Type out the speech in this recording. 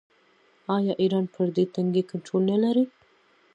آیا ایران پر دې تنګي کنټرول نلري؟